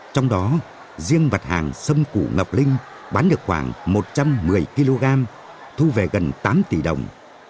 trong đó riêng mặt hàng sâm củ ngọc linh bán được khoảng một trăm một mươi kg thu về gần tám tỷ đồng